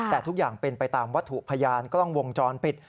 แต่ทุกอย่างเป็นไปตามวัตถุพยานกล้องวงจรปิด